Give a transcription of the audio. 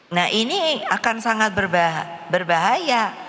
nah ini akan sangat berbahaya